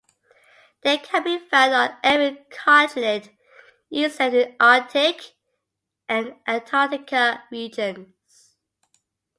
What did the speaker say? They can be found on every continent, except in Arctic and Antarctic regions.